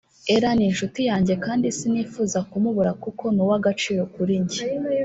Ellah ni inshuti yanjye kandi sinifuza kumubura kuko ni uw’agaciro kuri njye